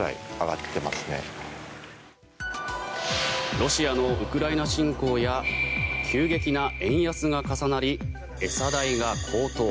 ロシアのウクライナ侵攻や急激な円安が重なり餌代が高騰。